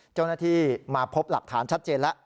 เจ้าหน้าที่มาพบหลักฐานชัดเจนแล้ว